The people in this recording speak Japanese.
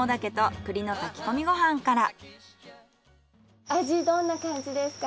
まずは味どんな感じですか？